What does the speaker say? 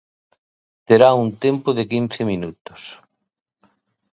Terá un tempo de quince minutos.